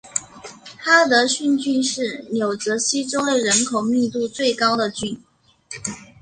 哈德逊郡是纽泽西州内人口密度最高的郡。